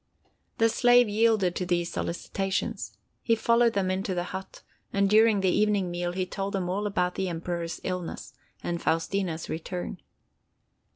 The slave yielded to these solicitations. He followed them into the hut, and during the evening meal he told them all about the Emperor's illness and Faustina's return.